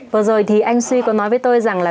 vừa rồi thì anh suy có nói với tôi rằng là